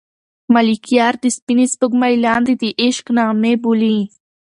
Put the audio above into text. ملکیار د سپینې سپوږمۍ لاندې د عشق نغمې بولي.